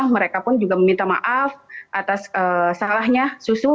mereka pun juga meminta maaf atas salahnya susu